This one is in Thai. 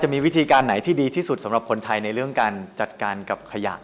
มีวิธีการไหนที่ดีที่สุดสำหรับคนไทยในเรื่องการจัดการกับขยะ